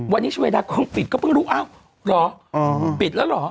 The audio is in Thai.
วันนี้ชาเวดากล้องปิดก็เพิ่งรู้อ้าวเหรอปิดแล้วเหรอ